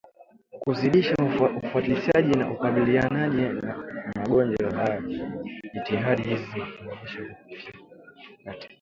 kuzidisha ufuatiliaji na ukabilianaji na magonjwa haya Jitihada hizo hufanikishwa kupitia kwa harakati